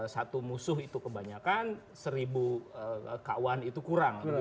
satu musuh itu kebanyakan seribu kawan itu kurang